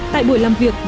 tại buổi làm việc